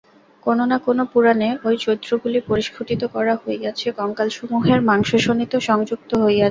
কোন না কোন পুরাণে ঐ চিত্রগুলি পরিস্ফুট করা হইয়াছে, কঙ্কালসমূহে মাংস-শোণিত সংযুক্ত হইয়াছে।